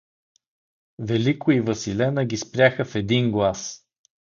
Велико и Василена ги спряха в един глас.